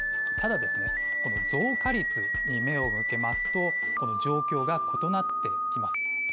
ただ、増加率に目を向けますと、状況が異なってきます。